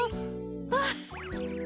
あっ。